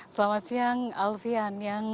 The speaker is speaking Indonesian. selamat siang alfian